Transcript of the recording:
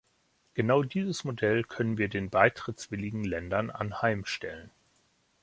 Genau dieses Modell können wir den beitrittswilligen Ländern anheimstellen.